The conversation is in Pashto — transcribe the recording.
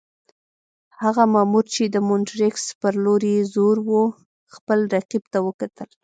هغه مامور چې د مونټریکس پر لور یې زور وو، خپل رقیب ته وکتل.